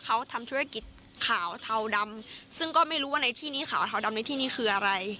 เขาทำธุรกิจขาวเทาดำซึ่งก็ไม่รู้ว่าในที่นี้ขาวเทาดำในที่นี้คืออะไร